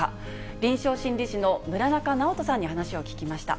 臨床心理士の村中直人さんに話を聞きました。